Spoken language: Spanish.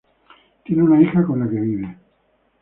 Tiene una hija con la que vive.